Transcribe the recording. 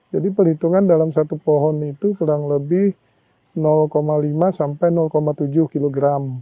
jadi perhitungan dalam satu pohon itu kurang lebih lima tujuh kg